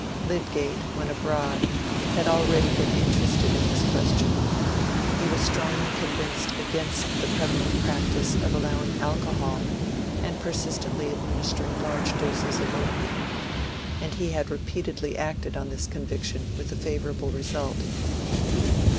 Lydgate, when abroad, had already been interested in this question: he was strongly convinced against the prevalent practice of allowing alcohol and persistently administering large doses of opium; and he had repeatedly acted on this conviction with a favorable result.